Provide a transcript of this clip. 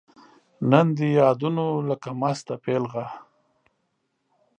نن دي یادونو لکه مسته پیغله